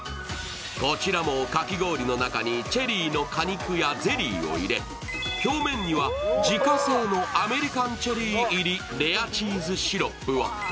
こちらも、かき氷の中にチェリーの果肉やゼリーを入れ、表面には自家製のアメリカンチェリー入りレアチーズシロップを。